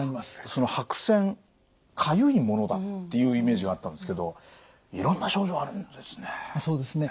その白癬かゆいものだっていうイメージがあったんですけどいろんな症状あるんですね。